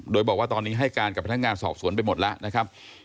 โดยบอกว่าตอนนี้ให้การกับพนักงานสอบสวนไปหมดแล้วนะครับ